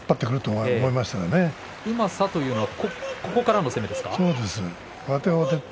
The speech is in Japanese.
うまさというのはここからの攻めですか。